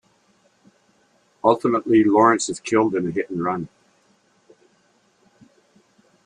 Ultimately, Lawrence is killed in a hit and run.